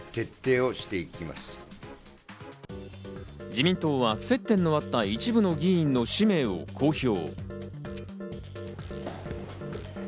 自民党は接点のあった一部の議員の氏名を公表。